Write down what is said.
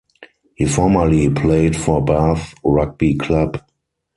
He formerly played for Bath Rugby club.